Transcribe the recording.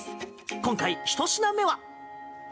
今回、１品目は。